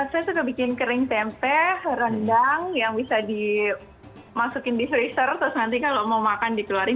saya suka bikin kering tempe rendang yang bisa dimasukin di freezer terus nanti kalau mau makan dikeluarin